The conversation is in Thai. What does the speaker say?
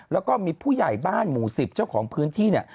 แล้วก็มีผู้ใหญ่บ้านหมู่๑๐เจ้าของพื้นที่เนี่ย